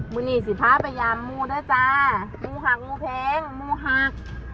มูนี่สิพ้าพยายามมูด้วยจ้ามูหักมูเพี้ยงมูหัก